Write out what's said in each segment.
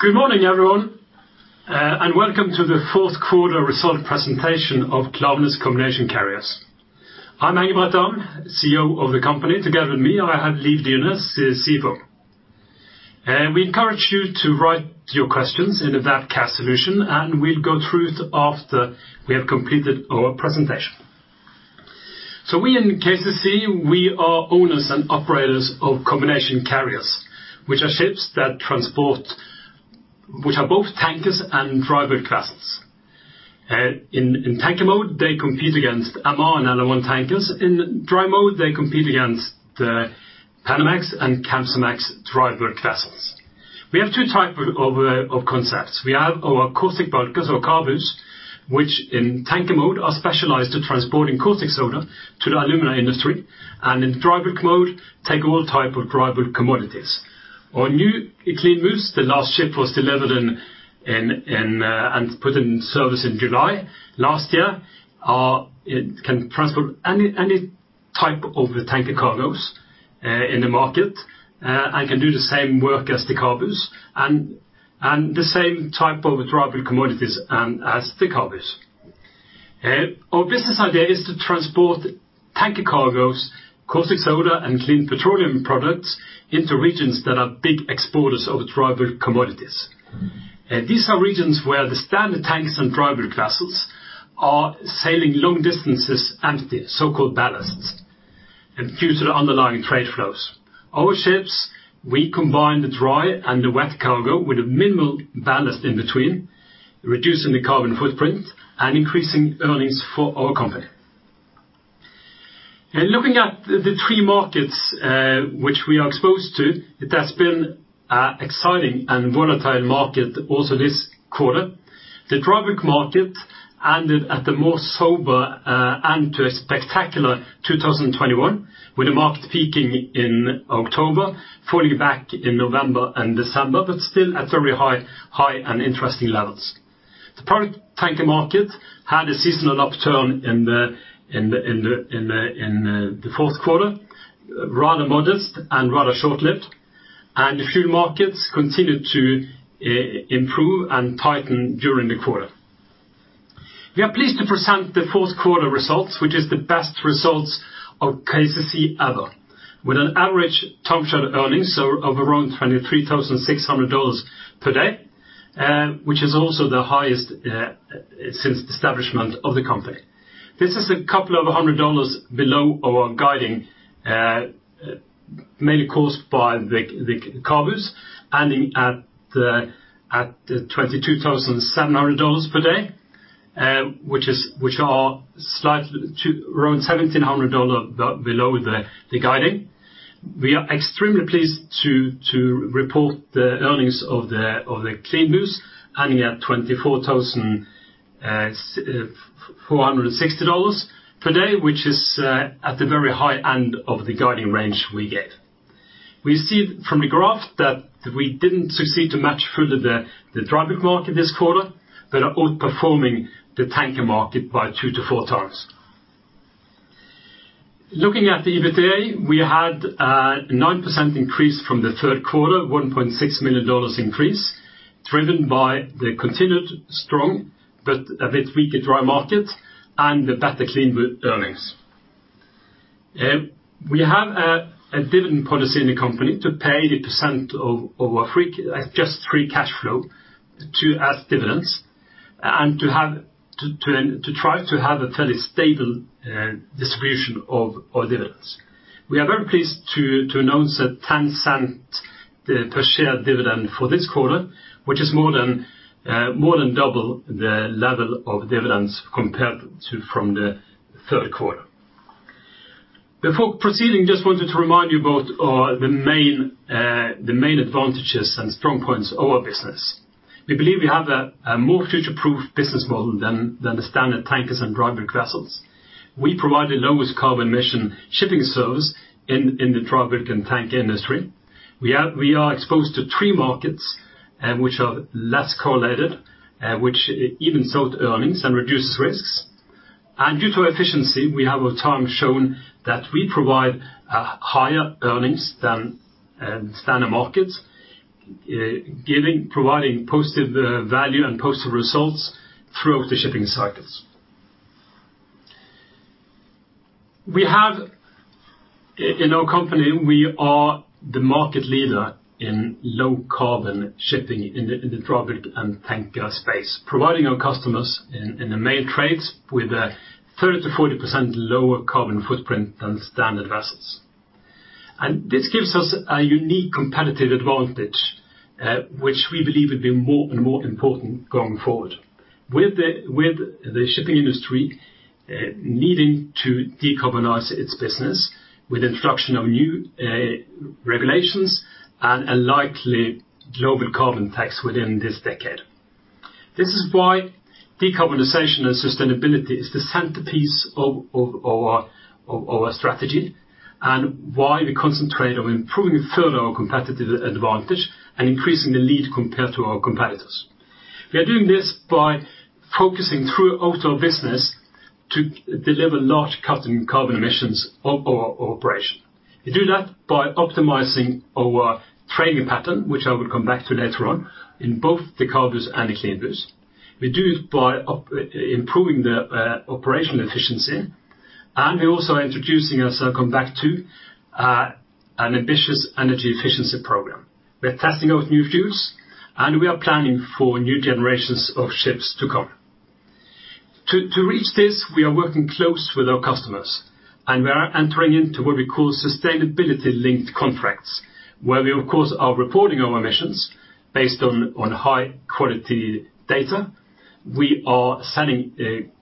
Good morning, everyone, and welcome to the fourth quarter results presentation of Klaveness Combination Carriers. I'm Engebret Dahm, CEO of the company. Together with me, I have Liv Dyrnes, the CFO. We encourage you to write your questions into that chat solution, and we'll go through it after we have completed our presentation. We in KCC, we are owners and operators of combination carriers, which are both tankers and dry bulk vessels. In tanker mode, they compete against MR and LR1 tankers. In dry mode, they compete against the Panamax and Capesize dry bulk vessels. We have two types of concepts. We have our caustic bulkers or CABUs, which in tanker mode are specialized to transporting caustic soda to the alumina industry. In dry bulk mode, they take all types of dry bulk commodities. Our new CLEANBU, the last ship was delivered in and put in service in July last year. It can transport any type of the tanker cargoes in the market and can do the same work as the CABUs and the same type of dry bulk commodities as the CABUs. Our business idea is to transport tanker cargoes, caustic soda and clean petroleum products into regions that are big exporters of dry bulk commodities. These are regions where the standard tankers and dry bulk vessels are sailing long distances empty, so-called ballasts, and due to the underlying trade flows. Our ships, we combine the dry and the wet cargo with a minimal ballast in between, reducing the carbon footprint and increasing earnings for our company. Looking at the three markets which we are exposed to, it has been an exciting and volatile market also this quarter. The dry bulk market ended at the more sober end to a spectacular 2021, with the market peaking in October, falling back in November and December, but still at very high and interesting levels. The product tanker market had a seasonal upturn in the fourth quarter, rather modest and rather short-lived. The fuel markets continued to improve and tighten during the quarter. We are pleased to present the fourth quarter results, which is the best results of KCC ever. With an average time charter earnings of around $23,600 per day, which is also the highest since establishment of the company. This is a couple of $100 below our guidance, mainly caused by the CABUs ending at $22,700 per day, which is slightly around $1,700 below the guidance. We are extremely pleased to report the earnings of the CLEANBUs ending at $24,460 per day, which is at the very high end of the guidance range we get. We see from the graph that we didn't succeed to match the dry bulk market this quarter, but are outperforming the tanker market by 2x-4x. Looking at the EBITDA, we had a 9% increase from the third quarter, $1.6 million increase, driven by the continued strong but a bit weaker dry market and the better clean earnings. We have a dividend policy in the company to pay 80% of our free cash flow as dividends and to try to have a fairly stable distribution of our dividends. We are very pleased to announce a $0.10 per share dividend for this quarter, which is more than double the level of dividends compared to the third quarter. Before proceeding, just wanted to remind you about the main advantages and strong points of our business. We believe we have a more future-proof business model than the standard tankers and dry bulk vessels. We provide the lowest carbon emission shipping service in the dry bulk and tanker industry. We are exposed to three markets, which are less correlated, which evens out earnings and reduces risks. Due to efficiency, we have over time shown that we provide higher earnings than standard markets, providing positive value and positive results throughout the shipping cycles. In our company, we are the market leader in low carbon shipping in the dry bulk and tanker space, providing our customers in the main trades with a 30%-40% lower carbon footprint than standard vessels. This gives us a unique competitive advantage, which we believe will be more and more important going forward. With the shipping industry needing to decarbonize its business with introduction of new regulations and a likely global carbon tax within this decade. This is why decarbonization and sustainability is the centerpiece of our strategy and why we concentrate on improving further our competitive advantage and increasing the lead compared to our competitors. We are doing this by focusing through our whole business to deliver large cut in carbon emissions of our operation. We do that by optimizing our trading pattern, which I will come back to later on in both the CABUs and the CLEANBUs. We do it by improving the operational efficiency, and we're also introducing, as I'll come back to, an ambitious energy efficiency program. We are testing out new fuels, and we are planning for new generations of ships to come. To reach this, we are working close with our customers, and we are entering into what we call sustainability-linked contracts, where we, of course, are reporting our emissions based on high quality data. We are setting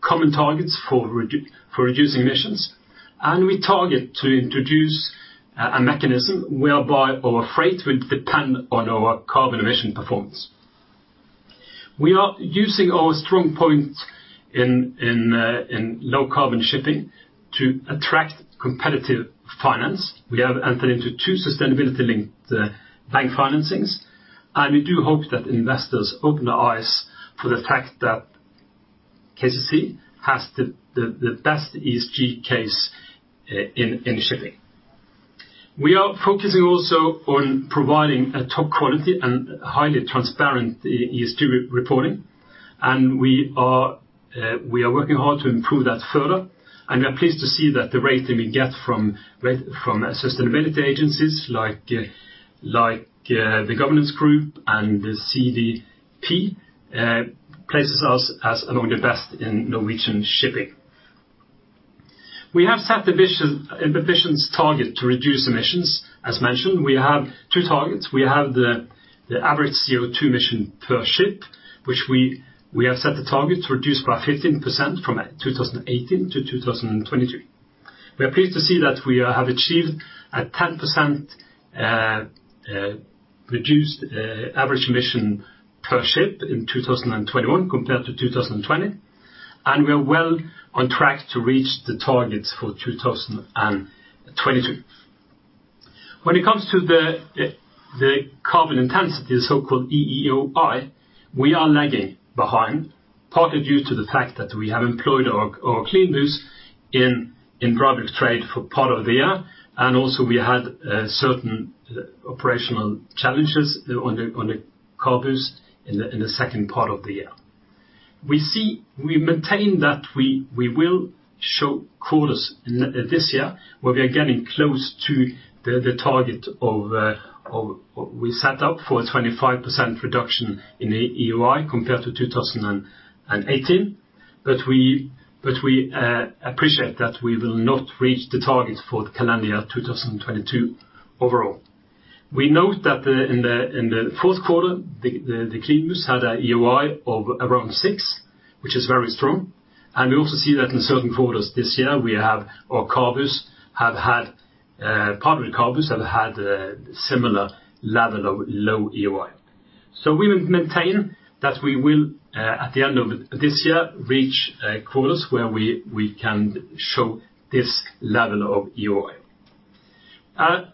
common targets for reducing emissions, and we target to introduce a mechanism whereby our freight will depend on our carbon emission performance. We are using our strong point in low carbon shipping to attract competitive finance. We have entered into two sustainability-linked bank financings, and we do hope that investors open their eyes for the fact that KCC has the best ESG case in shipping. We are focusing also on providing a top quality and highly transparent ESG reporting, and we are working hard to improve that further, and we are pleased to see that the rating we get from from sustainability agencies like, The Governance Group and the CDP places us among the best in Norwegian shipping. We have set ambitious target to reduce emissions. As mentioned, we have two targets. We have the average CO2 emission per ship, which we have set the target to reduce by 15% from 2018 to 2023. We are pleased to see that we have achieved a 10% reduced average emission per ship in 2021 compared to 2020, and we are well on track to reach the targets for 2022. When it comes to the carbon intensity, the so-called EEOI, we are lagging behind, partly due to the fact that we have employed our CLEANBUs in product trade for part of the year. Also we had certain operational challenges on the CABUs in the second part of the year. We maintain that we will show quarters this year where we are getting close to the target we set up for a 25% reduction in the EEOI compared to 2018. We appreciate that we will not reach the target for the calendar year 2022 overall. We note that in the fourth quarter, the CLEANBUs had an EEOI of around six, which is very strong. We also see that in certain quarters this year, part of our CABUs have had a similar level of low EEOI. We will maintain that we will at the end of this year, reach quarters where we can show this level of EEOI.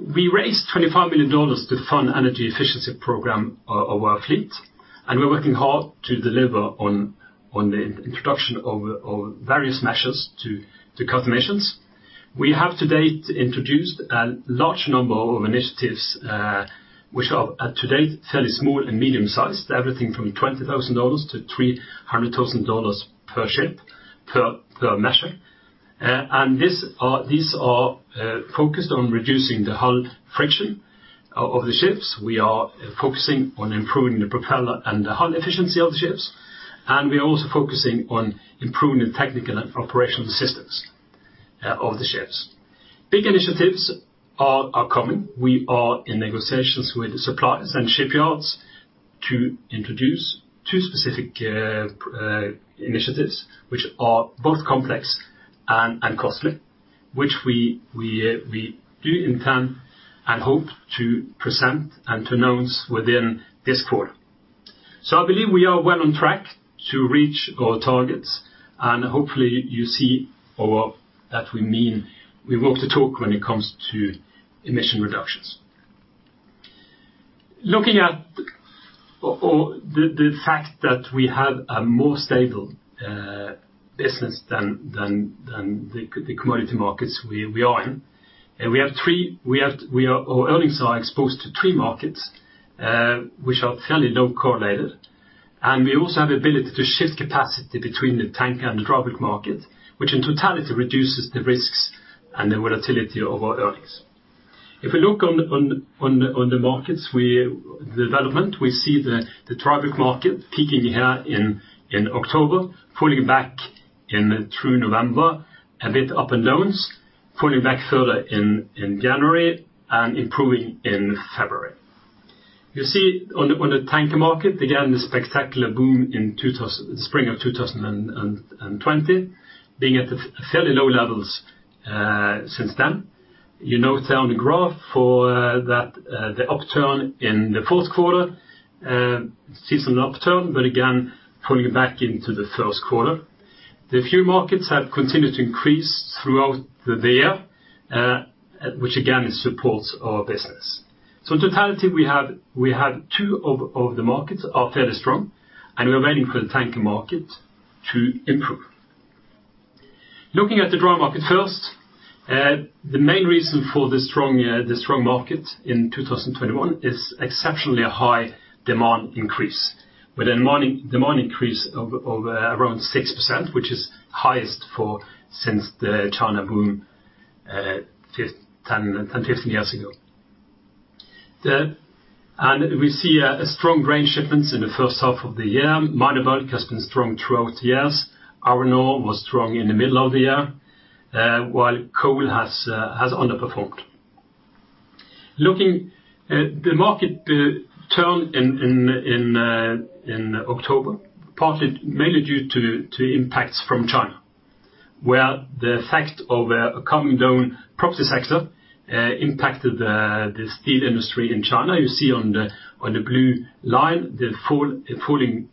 We raised $25 million to fund energy efficiency program for our fleet, and we're working hard to deliver on the introduction of various measures to cut emissions. We have to date introduced a large number of initiatives, which are to date fairly small and medium-sized, everything from $20,000 to $300,000 per ship, per measure. These are focused on reducing the hull friction of the ships. We are focusing on improving the propeller and the hull efficiency of the ships, and we are also focusing on improving the technical and operational systems of the ships. Big initiatives are coming. We are in negotiations with suppliers and shipyards to introduce two specific initiatives which are both complex and costly, which we do intend and hope to present and to announce within this quarter. I believe we are well on track to reach our targets and hopefully you see or that we mean we walk the talk when it comes to emission reductions. Looking at the fact that we have a more stable business than the commodity markets we are in. Our earnings are exposed to three markets, which are fairly low correlated. We also have the ability to shift capacity between the tanker and the product market, which in totality reduces the risks and the volatility of our earnings. If we look on the markets' development, we see the product market peaking here in October, pulling back through November, a bit up and down, pulling back further in January and improving in February. You see on the tanker market, again, the spectacular boom in spring of 2020, being at fairly low levels since then. You note down the graph for that, the upturn in the fourth quarter, seasonal upturn, but again, pulling back into the first quarter. The fuel markets have continued to increase throughout the year, which again supports our business. In totality, we have two of the markets are fairly strong, and we are waiting for the tanker market to improve. Looking at the dry market first, the main reason for the strong market in 2021 is exceptionally high demand increase. With a demand increase of around 6%, which is highest since the China boom 15 years ago. The... We see strong grain shipments in the first half of the year. Minor bulk has been strong throughout the years. Iron ore was strong in the middle of the year, while coal has underperformed. Looking, the market turned in October, partly mainly due to impacts from China, where the effect of a calming down property sector impacted the steel industry in China. You see on the blue line, the falling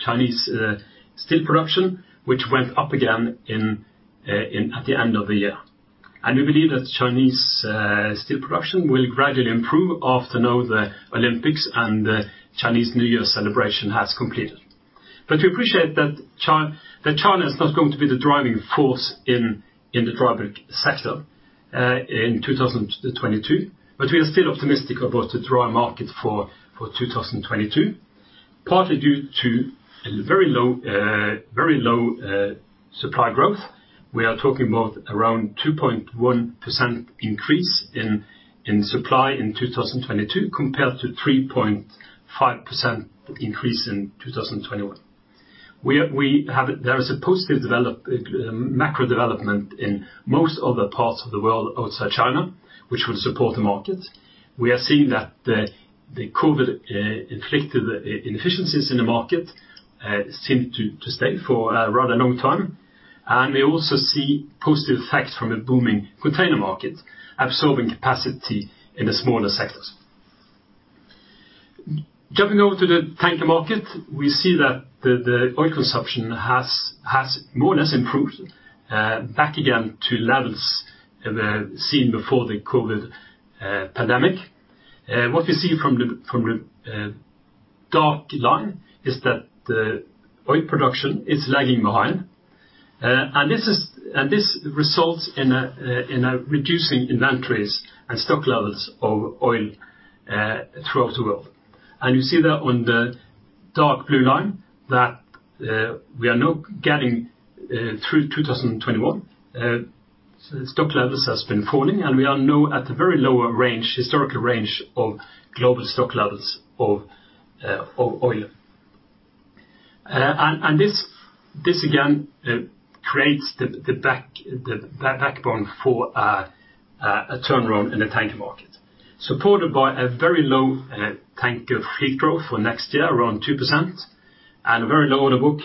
Chinese steel production, which went up again at the end of the year. We believe that Chinese steel production will gradually improve after the Olympics and the Chinese New Year celebration has completed. We appreciate that China is not going to be the driving force in the dry bulk sector in 2022, but we are still optimistic about the dry market for 2022, partly due to a very low supply growth. We are talking about around 2.1% increase in supply in 2022 compared to 3.5% increase in 2021. There is a positive macro development in most other parts of the world outside China, which will support the market. We are seeing that the COVID inflicted inefficiencies in the market seem to stay for a rather long time. We also see positive effects from a booming container market absorbing capacity in the smaller sectors. Jumping over to the tanker market, we see that the oil consumption has more or less improved back again to levels seen before the COVID pandemic. What we see from the dotted line is that the oil production is lagging behind. This results in a reduction in inventories and stock levels of oil throughout the world. You see that on the dark blue line that we are now getting through 2021. Stock levels has been falling, and we are now at a very low range, historical range of global stock levels of oil. This again creates the backbone for a turnaround in the tanker market, supported by a very low tanker fleet growth for next year, around 2%, and a very low order book.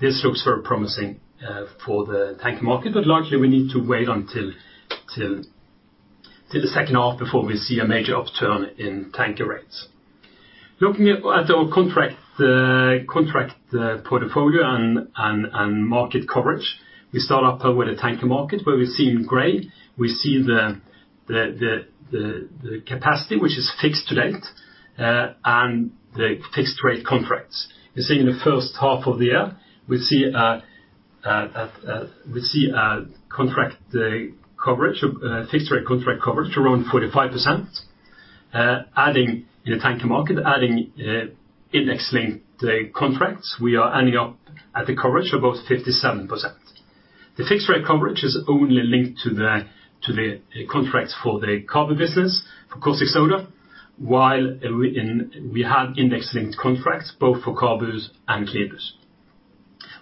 This looks very promising for the tanker market, but largely we need to wait until the second half before we see a major upturn in tanker rates. Looking at our contract portfolio and market coverage, we start off with the tanker market, where we see in gray the capacity which is fixed to date and the fixed rate contracts. You see in the first half of the year, we see contract coverage, fixed rate contract coverage around 45%. Adding the tanker market, adding index-linked contracts, we are ending up at the coverage of about 57%. The fixed rate coverage is only linked to the contracts for the CABU business for caustic soda, while we have index-linked contracts both for CABUs and CLEANBUs.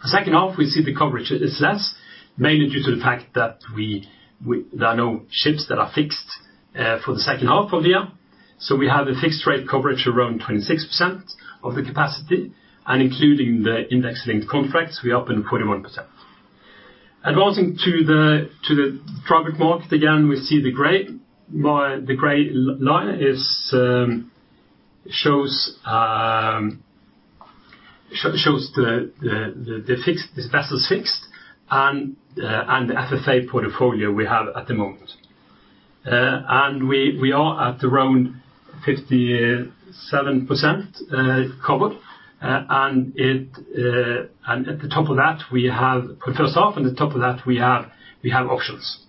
The second half, we see the coverage is less, mainly due to the fact that we there are no ships that are fixed for the second half of the year. We have a fixed rate coverage around 26% of the capacity, and including the index-linked contracts, we are up in 41%. Advancing to the dry bulk market, again, we see the gray line. The gray line shows the vessels fixed and the FFA portfolio we have at the moment. We are at around 57% covered. At the top of that, we have options.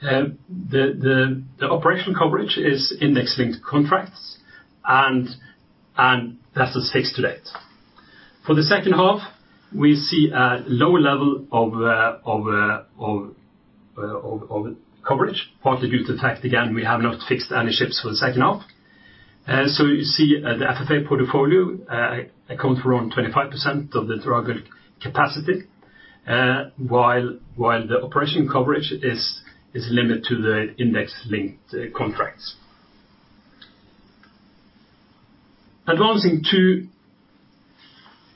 The operational coverage is index-linked contracts and vessels fixed to date. For the second half, we see a lower level of coverage, partly due to the fact, again, we have not fixed any ships for the second half. You see the FFA portfolio accounts for around 25% of the dry bulk capacity, while the operational coverage is limited to the index-linked contracts. Advancing to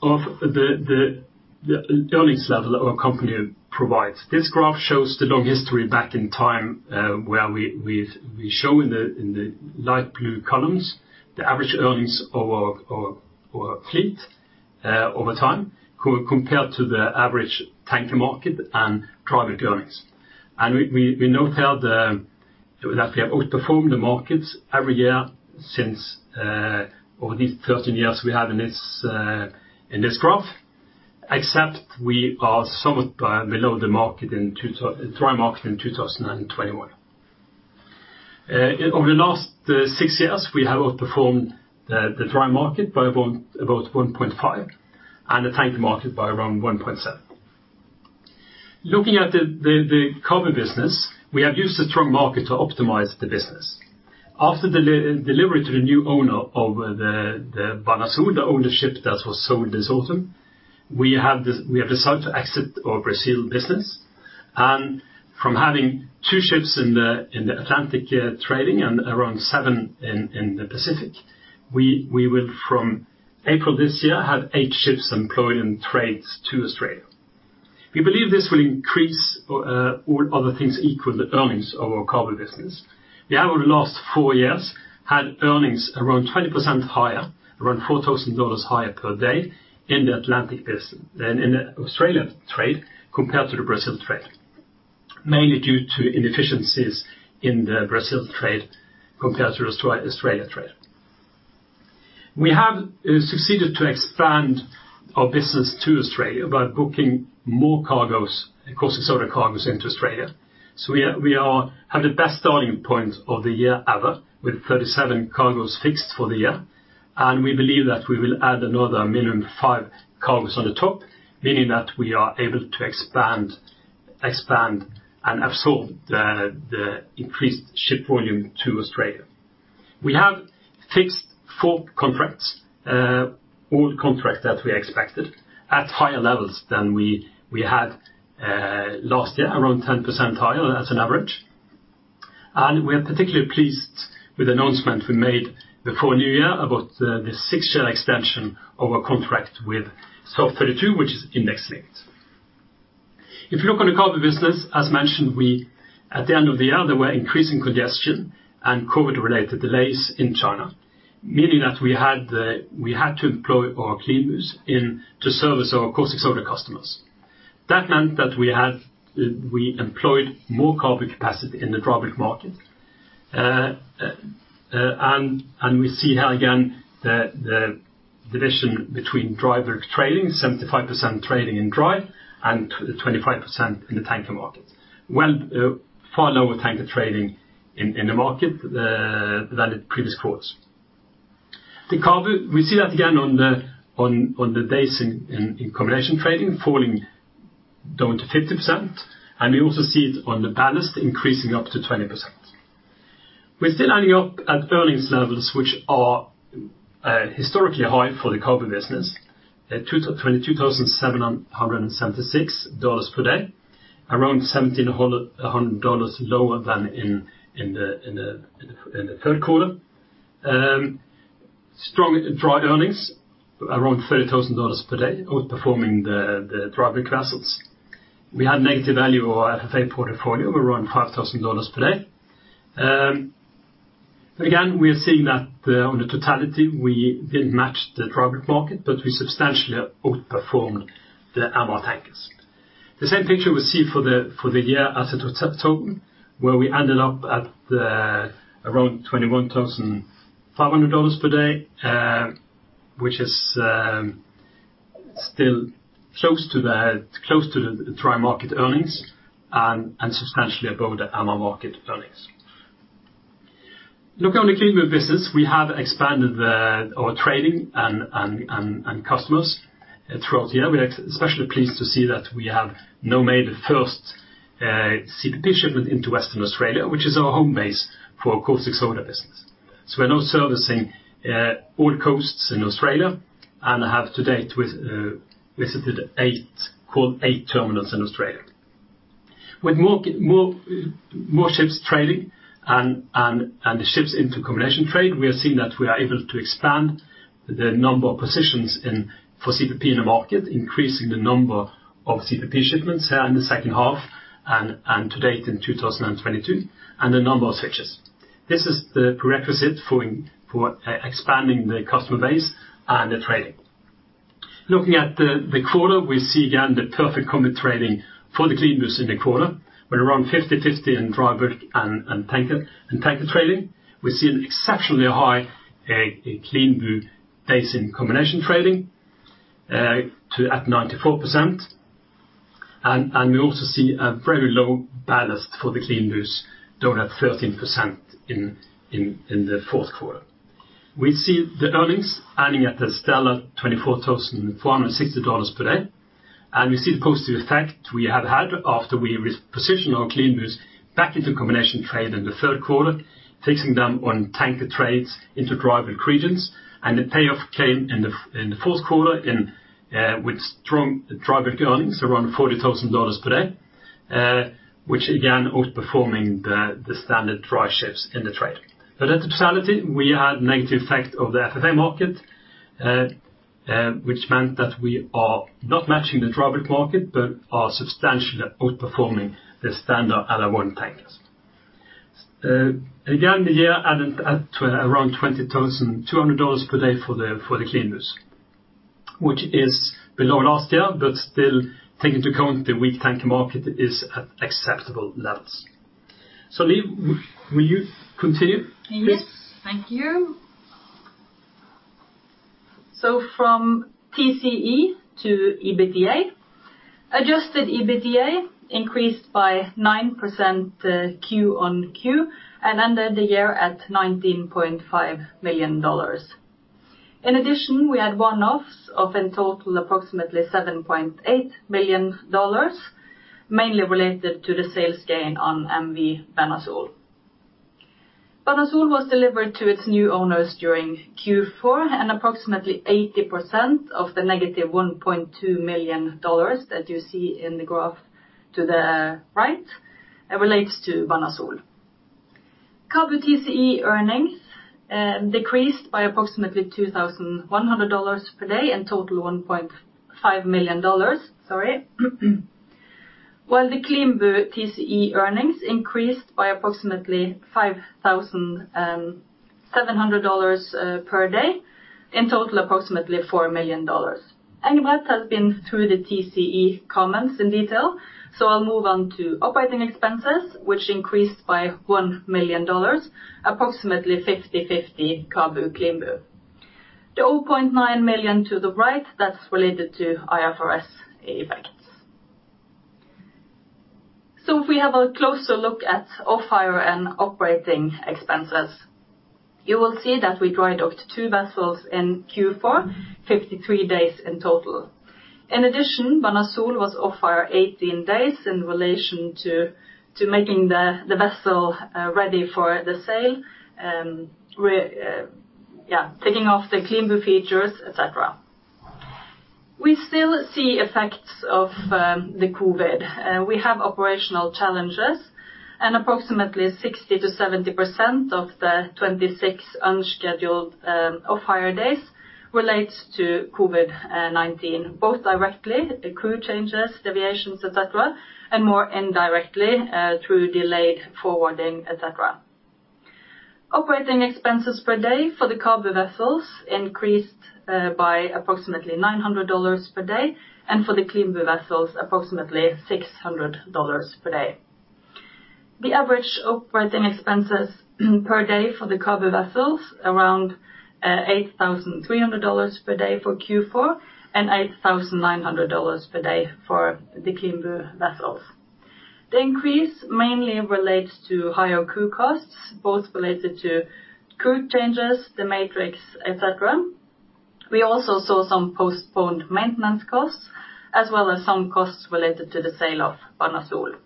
the earnings level our company provides. This graph shows the long history back in time, where we show in the light blue columns the average earnings of our fleet over time compared to the average tanker market and dry bulk earnings. We now tell that we have outperformed the markets every year over these 13 years we have in this graph, except we are somewhat below the dry market in 2021. Over the last six years, we have outperformed the dry market by about 1.5x, and the tanker market by around 1.7x. Looking at the CABU business, we have used the strong market to optimize the business. After the redelivery to the new owner of the Banasol, older ship that was sold this autumn, we have decided to exit our Brazil business. From having two ships in the Atlantic trading and around seven in the Pacific, we will from April this year have eight ships employed in trades to Australia. We believe this will increase, all other things equal, the earnings of our CABU business. We have over the last four years had earnings around 20% higher, around $4,000 higher per day in the Atlantic business than in the Australia trade compared to the Brazil trade, mainly due to inefficiencies in the Brazil trade compared to Australia trade. We have succeeded to expand our business to Australia by booking more cargoes, caustic soda cargoes into Australia. We have the best starting point of the year ever, with 37 cargoes fixed for the year, and we believe that we will add another minimum five cargoes on top, meaning that we are able to expand and absorb the increased ship volume to Australia. We have fixed four contracts, all contracts that we expected at higher levels than we had last year, around 10% higher as an average. We are particularly pleased with the announcement we made before New Year about the six-year extension of a contract with South32, which is index-linked. If you look on the CABU business, as mentioned, at the end of the year there were increasing congestion and COVID-related delays in China, meaning that we had to employ our CLEANBUs into service our caustic soda customers. That meant that we had we employed more CABU capacity in the dry bulk market. Well, and we see here again the division between dry bulk trading, 75% trading in dry and 25% in the tanker market. Well, far lower tanker trading in the market than the previous quarters. The CABU, we see that again on the days in combination trading, falling down to 50%, and we also see it on the ballast increasing up to 20%. We are still ending up at earnings levels which are historically high for the CABU business at $22,776 per day, around $1,700 lower than in the third quarter. Strong dry earnings around $30,000 per day, outperforming the dry bulk vessels. We had negative value of our FFA portfolio of around $5,000 per day. Again, we are seeing that, on the totality, we didn't match the dry bulk market, but we substantially outperformed the MR tankers. The same picture we see for the year as a total, where we ended up at around $21,500 per day, which is still close to the dry market earnings and substantially above the MR market earnings. Look on the CLEANBU business. We have expanded our trading and customers throughout the year. We are especially pleased to see that we have now made the first CPP shipment into Western Australia, which is our home base for our caustic soda business. We're now servicing all coasts in Australia and have to date visited eight terminals in Australia. With more ships trading and ships into combination trade, we are seeing that we are able to expand the number of positions for CPP in the market, increasing the number of CPP shipments here in the second half and to date in 2022, and the number of switches. This is the prerequisite for expanding the customer base and the trading. Looking at the quarter, we see again the perfect combination trading for the CLEANBU in the quarter. We're around 50/50 in dry bulk and tanker trading. We see an exceptionally high CLEANBU days in combination trading to at 94%. We also see a very low ballast for the CLEANBU down at 13% in the fourth quarter. We see the earnings ending at a stellar $24,460 per day. We see the positive effect we have had after we repositioned our CLEANBU back into combination trade in the third quarter, fixing them on tanker trades into dry bulk regions. The payoff came in the fourth quarter with strong dry bulk earnings, around $40,000 per day, which again outperforming the standard dry ships in the trade. At the totality, we had negative effect of the FFA market, which meant that we are not matching the dry bulk market, but are substantially outperforming the standard LR1 tankers. Again, the year added up to around $20,200 per day for the CLEANBU, which is below last year, but still take into account the weak tanker market is at acceptable levels. Liv, will you continue, please? Yes. Thank you. From TCE to EBITDA. Adjusted EBITDA increased by 9%, Q-on-Q and ended the year at $19.5 million. In addition, we had one-offs of in total approximately $7.8 million, mainly related to the sales gain on MV Banasol. Banasol was delivered to its new owners during Q4, and approximately 80% of the -$1.2 million that you see in the graph to the right relates to Banasol. CABU TCE earnings decreased by approximately $2,100 per day and total $1.5 million. Sorry. While the CLEANBU TCE earnings increased by approximately $5,700 per day, in total, approximately $4 million. Engebret has been through the TCE comments in detail. I'll move on to operating expenses, which increased by $1 million, approximately 50/50 CABU/CLEANBU. The $0.9 million to the right, that's related to IFRS effects. If we have a closer look at off-hire and operating expenses, you will see that we dry docked two vessels in Q4, 53 days in total. In addition, Banasol was off-hire 18 days in relation to making the vessel ready for the sale, taking off the CLEANBU features, et cetera. We still see effects of the COVID. We have operational challenges and approximately 60%-70% of the 26 unscheduled off-hire days relates to COVID-19. Both directly, the crew changes, deviations, et cetera, and more indirectly, through delayed forwarding, et cetera. Operating expenses per day for the CABU vessels increased by approximately $900 per day, and for the CLEANBU vessels, approximately $600 per day. The average operating expenses per day for the CABU vessels around $8,300 per day for Q4, and $8,900 per day for the CLEANBU vessels. The increase mainly relates to higher crew costs, both related to crew changes, the matrix, et cetera. We also saw some postponed maintenance costs, as well as some costs related to the sale of Banasol.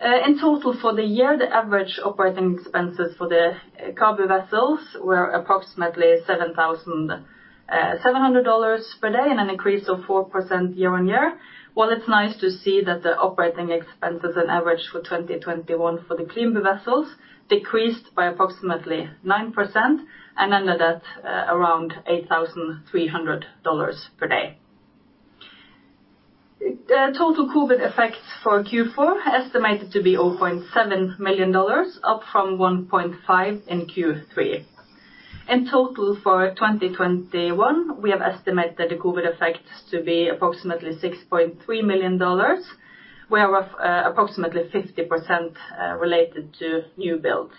In total for the year, the average operating expenses for the CABU vessels were approximately $7,700 per day, and an increase of 4% year-on-year. While it's nice to see that the operating expenses on average for 2021 for the CLEANBU vessels decreased by approximately 9% and ended at around $8,300 per day. The total COVID effects for Q4 estimated to be $0.7 million, up from $1.5 million in Q3. In total for 2021, we have estimated the COVID effects to be approximately $6.3 million, whereof approximately 50%, related to new builds.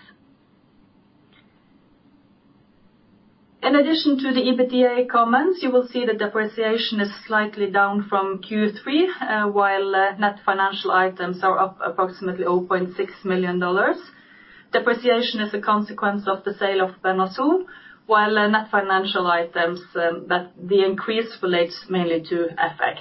In addition to the EBITDA comments, you will see the depreciation is slightly down from Q3, while net financial items are up approximately $0.6 million. Depreciation is a consequence of the sale of Banasol, while net financial items, that the increase relates mainly to FX.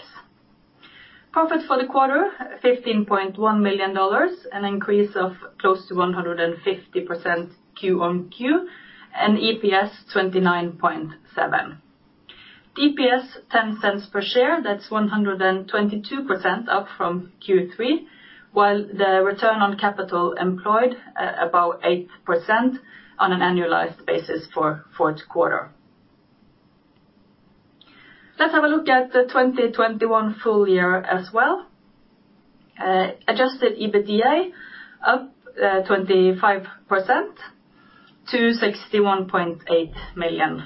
Profit for the quarter, $15.1 million, an increase of close to 150% Q-on-Q, and EPS $29.7. DPS $0.10 per share, that's 122% up from Q3, while the return on capital employed about 8% on an annualized basis for fourth quarter. Let's have a look at the 2021 full year as well. Adjusted EBITDA up 25% to $61.8 million.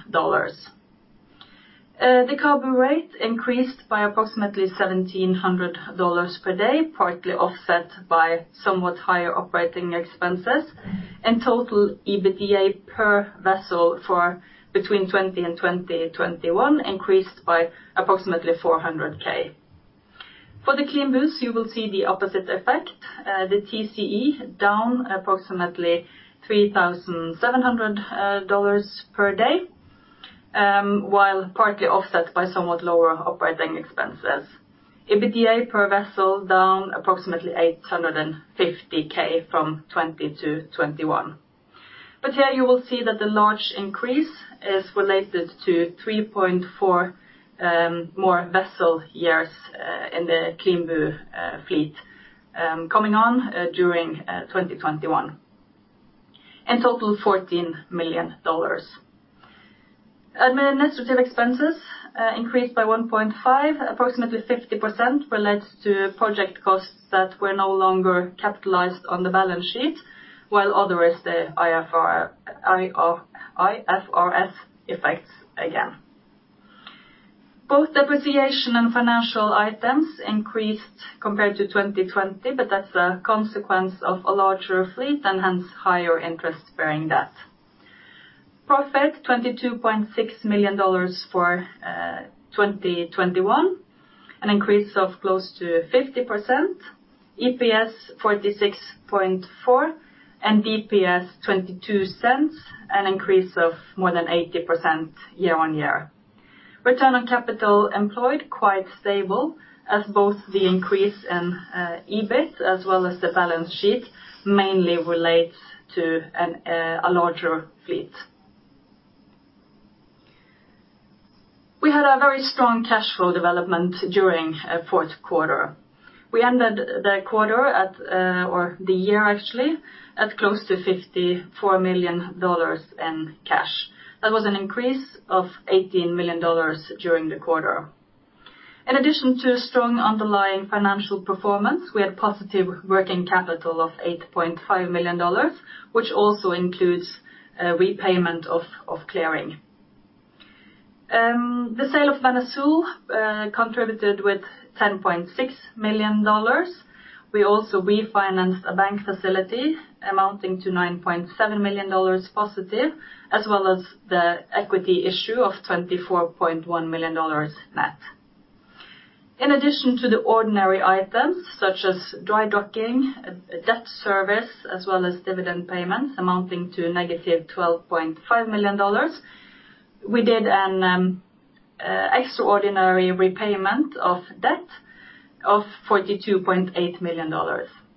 The CABU rate increased by approximately $1,700 per day, partly offset by somewhat higher operating expenses. In total, EBITDA per vessel for between 2020 and 2021 increased by approximately $400,000. For the CLEANBU, you will see the opposite effect. The TCE down approximately $3,700 per day, while partly offset by somewhat lower operating expenses. EBITDA per vessel down approximately $850,000 from 2020 to 2021. Here you will see that the large increase is related to 3.4 more vessel years in the CLEANBU fleet coming on during 2021. In total, $14 million. Administrative expenses increased by $1.5 million, approximately 50% relates to project costs that were no longer capitalized on the balance sheet, while other is the IFRS effects again. Both depreciation and financial items increased compared to 2020, but that's a consequence of a larger fleet and hence higher interest-bearing debt. Profit $22.6 million for 2021, an increase of close to 50%, EPS $46.4, and DPS $0.22, an increase of more than 80% year-on-year. Return on capital employed quite stable as both the increase in EBIT as well as the balance sheet mainly relates to a larger fleet. We had a very strong cash flow development during fourth quarter. We ended the quarter at, or the year actually, at close to $54 million in cash. That was an increase of $18 million during the quarter. In addition to strong underlying financial performance, we had positive working capital of $8.5 million, which also includes a repayment of clearing. The sale of Banasol contributed with $10.6 million. We also refinanced a bank facility amounting to $9.7 million positive, as well as the equity issue of $24.1 million net. In addition to the ordinary items such as dry docking, debt service, as well as dividend payments amounting to -$12.5 million, we did an extraordinary repayment of debt of $42.8 million.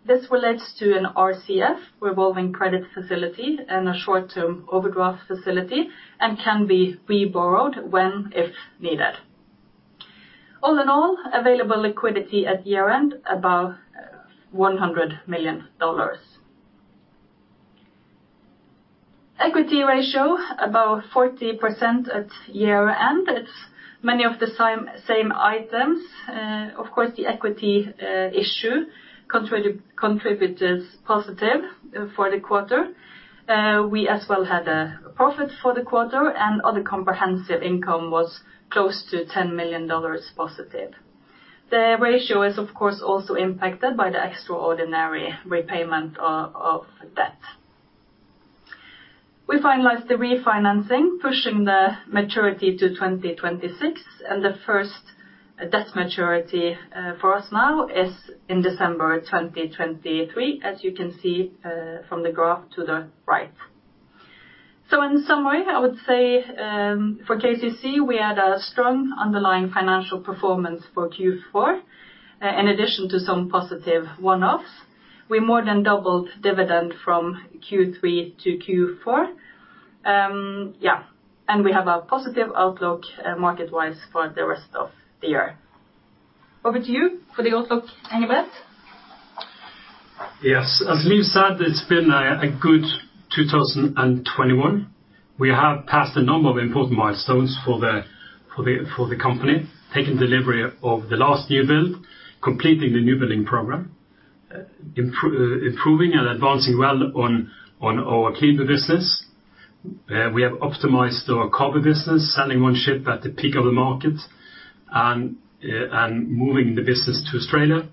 This relates to an RCF, revolving credit facility, and a short-term overdraft facility, and can be reborrowed when if needed. All in all, available liquidity at year-end about $100 million. Equity ratio about 40% at year-end. It's many of the same items. Of course, the equity issue contributes positive for the quarter. We as well had a profit for the quarter, and other comprehensive income was close to $10 million positive. The ratio is, of course, also impacted by the extraordinary repayment of debt. We finalized the refinancing, pushing the maturity to 2026, and the first debt maturity for us now is in December 2023, as you can see from the graph to the right. In summary, I would say for KCC, we had a strong underlying financial performance for Q4. In addition to some positive one-offs, we more than doubled dividend from Q3 to Q4. Yeah, and we have a positive outlook, market-wise for the rest of the year. Over to you for the outlook, Engebret. Yes. As Liv said, it's been a good 2021. We have passed a number of important milestones for the company, taking delivery of the last new build, completing the new building program, improving and advancing well on our CLEANBU business. We have optimized our CABU business, selling one ship at the peak of the market and moving the business to Australia.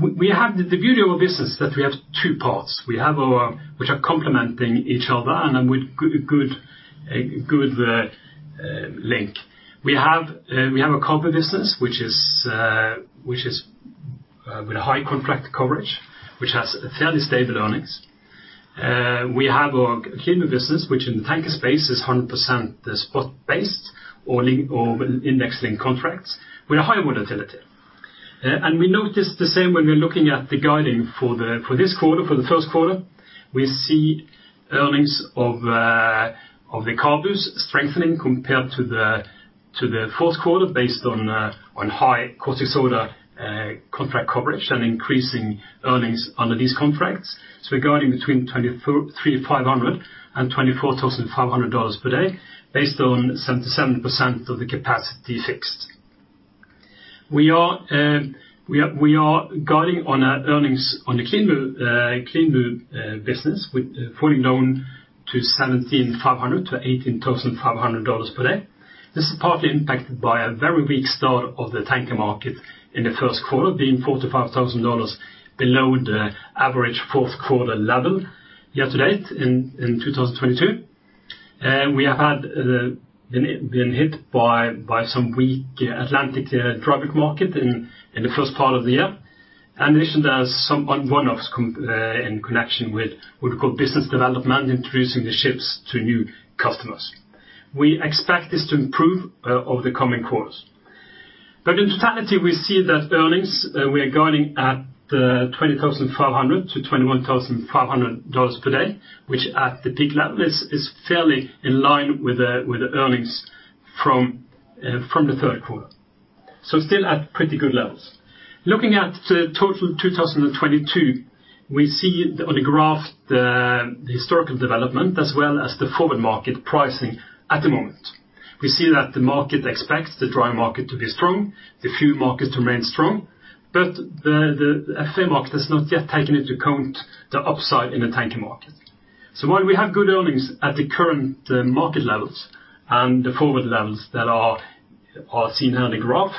We have the beauty of a business that we have two parts which are complementing each other and with a good link. We have a CABU business which is with a high contract coverage which has fairly stable earnings. We have our CLEANBU business, which in the tanker space is 100% spot-based or index link contracts with a high volatility. We notice the same when we're looking at the guidance for the first quarter. We see earnings of the CABU's strengthening compared to the fourth quarter based on high caustic soda contract coverage and increasing earnings under these contracts. We're guiding between $23,500-$24,500 per day based on 77% of the capacity fixed. We are guiding on our earnings on the CLEANBU business with falling down to $17,500-$18,500 per day. This is partly impacted by a very weak start of the tanker market in the first quarter, being $45,000 below the average fourth quarter level year to date in 2022. We have been hit by some weak Atlantic traffic market in the first part of the year. In addition, there are some one-offs in connection with what we call business development, introducing the ships to new customers. We expect this to improve over the coming quarters. In totality, we see that earnings, we are guiding at $20,500-$21,500 per day, which at the peak level is fairly in line with the earnings from the third quarter. Still at pretty good levels. Looking at the total 2022, we see on the graph the historical development as well as the forward market pricing at the moment. We see that the market expects the dry market to be strong, the fuel market to remain strong, but the FFA market has not yet taken into account the upside in the tanker market. While we have good earnings at the current market levels and the forward levels that are seen here in the graph,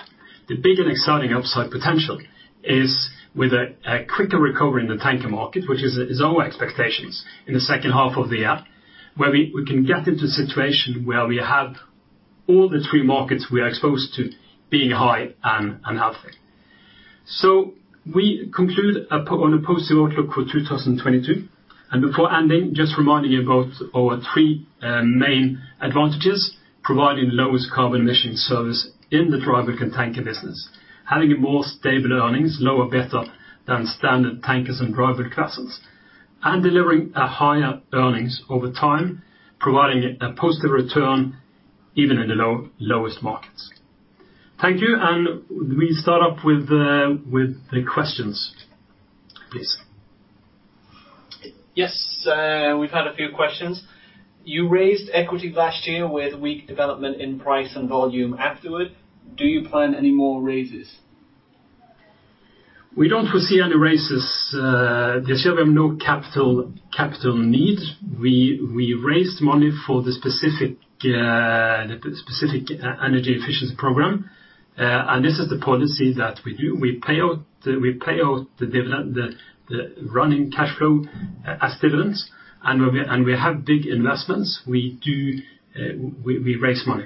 the big and exciting upside potential is with a quicker recovery in the tanker market, which is our expectations in the second half of the year where we can get into a situation where we have all the three markets we are exposed to being high and healthy. We conclude on a positive outlook for 2022. Before ending, just reminding you about our three main advantages, providing lowest carbon emission service in the dry bulk and tanker business, having a more stable earnings, lower better than standard tankers and dry bulk vessels, and delivering a higher earnings over time, providing a positive return even in the lowest markets. Thank you. We start off with the questions, please. Yes. We've had a few questions. You raised equity last year with weak development in price and volume afterward. Do you plan any more raises? We don't foresee any raises. This year we have no capital needs. We raised money for the specific energy efficiency program. This is the policy that we do. We pay out the running cash flow as dividends. When we have big investments, we raise money.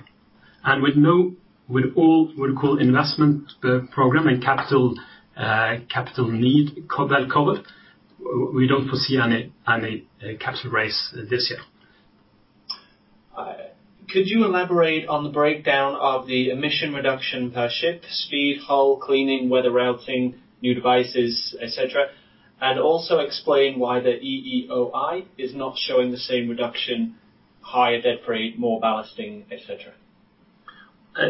With all we call investment program and capital need well covered, we don't foresee any capital raise this year. Could you elaborate on the breakdown of the emission reduction per ship, speed, hull, cleaning, weather routing, new devices, et cetera, and also explain why the EEOI is not showing the same reduction, higher dead freight, more ballasting, et cetera?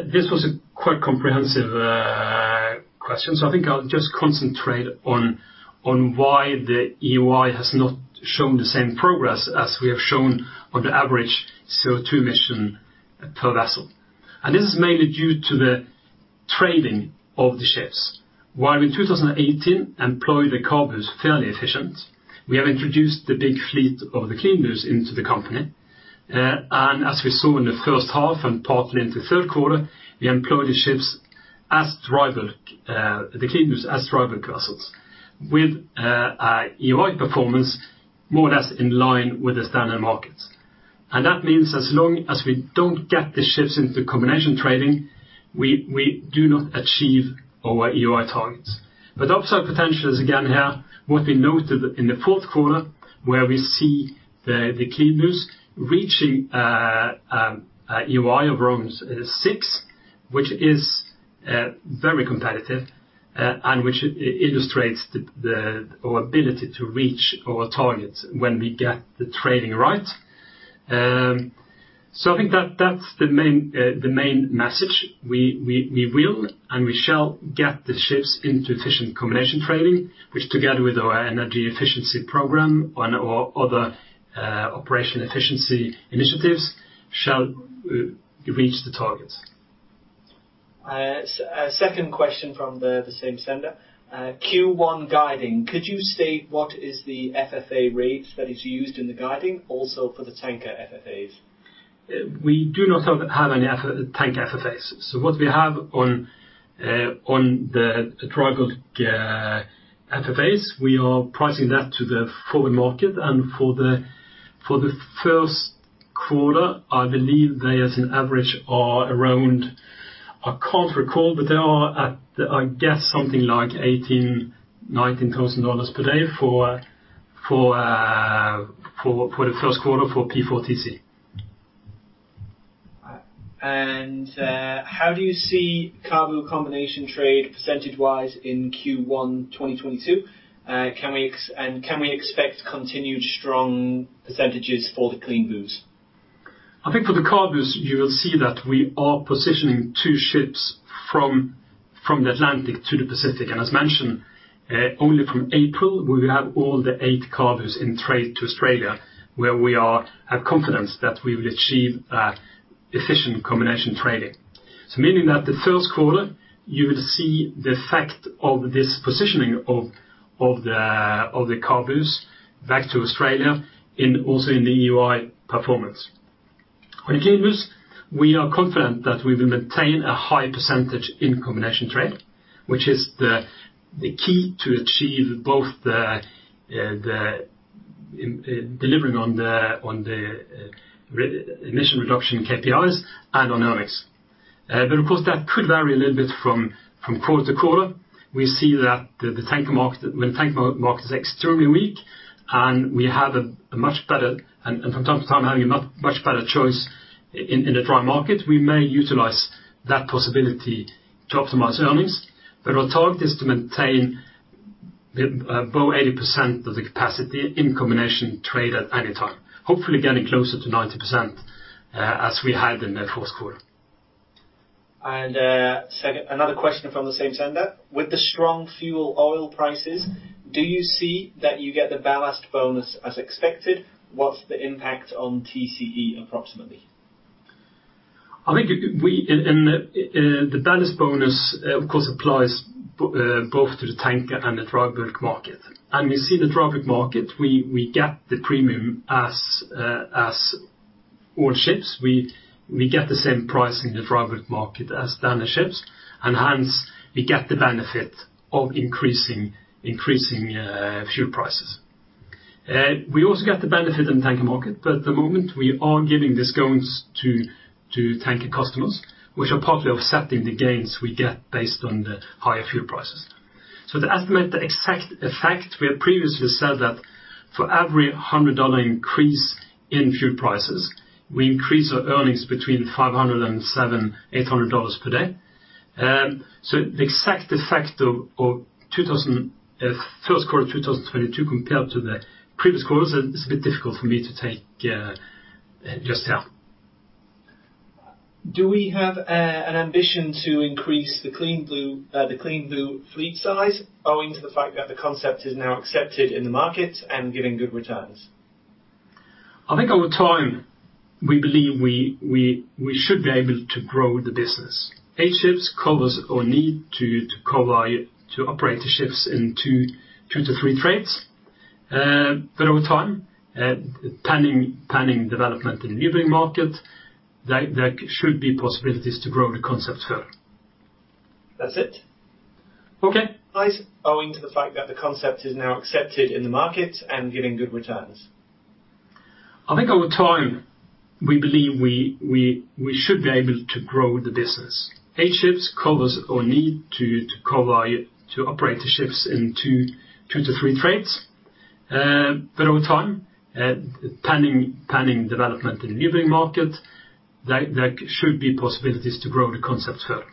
This was a quite comprehensive question, so I think I'll just concentrate on why the EEOI has not shown the same progress as we have shown on the average CO2 emission per vessel. This is mainly due to the trading of the ships. While in 2018 we employed the CABUs fairly efficient, we have introduced the big fleet of the CLEANBUs into the company. As we saw in the first half and partly into the third quarter, we employed the ships as dry bulk, the CLEANBUs as dry bulk vessels with an EEOI performance more or less in line with the standard markets. That means as long as we don't get the ships into combination trading, we do not achieve our EEOI targets. Upside potential is again here, what we noted in the fourth quarter, where we see the CLEANBU reaching an EEOI of around six, which is very competitive, and which illustrates our ability to reach our targets when we get the trading right. I think that's the main message. We will and we shall get the ships into efficient combination trading, which together with our energy efficiency program and our other operational efficiency initiatives shall reach the targets. Second question from the same sender. Q1 guiding. Could you state what is the FFA rates that is used in the guiding also for the tanker FFAs? We do not have any tanker FFAs. What we have on the dry bulk FFAs, we are pricing that to the forward market. For the first quarter, I believe they on average are around, I can't recall, but they are at, I guess, something like $18,000-$19,000 per day for the first quarter for P4TC. All right. How do you see CABU combination trade percentage-wise in Q1 2022? Can we expect continued strong percentages for the CLEANBUs? I think for the CABUs you will see that we are positioning two ships from the Atlantic to the Pacific. As mentioned, only from April, we will have all the eight CABUs in trade to Australia, where we have confidence that we will achieve efficient combination trading. Meaning that the first quarter, you would see the effect of this positioning of the CABUs back to Australia also in the EEOI performance. On the CLEANBUs, we are confident that we will maintain a high percentage in combination trade, which is the key to achieve both in delivering on the emission reduction KPIs and on earnings. Of course, that could vary a little bit from quarter to quarter. We see that the tanker market, when the tanker market is extremely weak and we have a much better and from time to time having a much better choice in the dry market, we may utilize that possibility to optimize earnings. Our target is to maintain about 80% of the capacity in combination trade at any time, hopefully getting closer to 90%, as we had in the fourth quarter. Another question from the same sender. With the strong fuel oil prices, do you see that you get the ballast bonus as expected? What's the impact on TCE approximately? I think the ballast bonus, of course, applies both to the tanker and the dry bulk market. We see the dry bulk market, we get the premium as all ships. We get the same price in the dry bulk market as the other ships, and hence we get the benefit of increasing fuel prices. We also get the benefit in the tanker market, but at the moment, we are giving discounts to tanker customers, which are partly offsetting the gains we get based on the higher fuel prices. To estimate the exact effect, we have previously said that for every $100 increase in fuel prices, we increase our earnings between $500 and $700-$800 per day. The exact effect of first quarter 2022 compared to the previous quarters. It's a bit difficult for me to take just here. Do we have an ambition to increase the CLEANBU fleet size owing to the fact that the concept is now accepted in the market and giving good returns? I think over time, we believe we should be able to grow the business. Eight ships covers our need to operate the ships in two to three trades. Over time, planning development in the new building market, there should be possibilities to grow the concept further. That's it. Okay. Owing to the fact that the concept is now accepted in the market and giving good returns. I think over time, we believe we should be able to grow the business. Eight ships covers our need to operate the ships in two to three trades. Over time, planning development in the new building market, there should be possibilities to grow the concept further.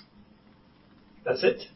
That's it. Okay.